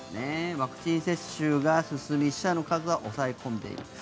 ワクチン接種が進み死者の数は抑え込んでいる。